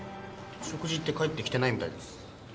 食事行って帰ってきてないみたいです。